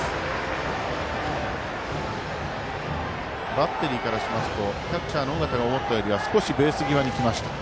バッテリーからしますとキャッチャーの尾形が思ったより少しベース際にきました。